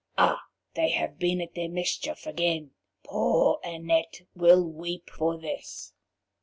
Ah! they have been at their mischief again. Poor Annette will weep for this."